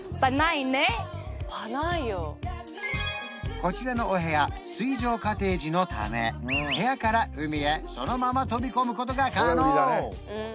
こちらのお部屋水上コテージのため部屋から海へそのまま飛び込むことが可能